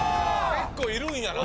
結構いるんやな。